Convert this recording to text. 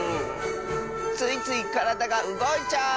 ついついからだがうごいちゃう！